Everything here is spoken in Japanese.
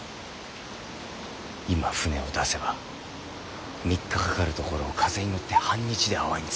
今舟を出せば３日かかるところを風に乗って半日で阿波に着く。